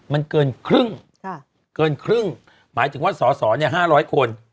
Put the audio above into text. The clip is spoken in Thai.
มันเกินครึ่งเกินครึ่งหมายถึงว่าสอสอ๕๐๐คน